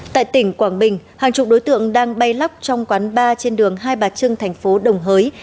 tại tỉnh quảng bình hàng chục đối tượng đang bay lắc trong quán bar trên đường hai bà trưng thành phố đồng hới